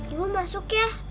ibu masuk ya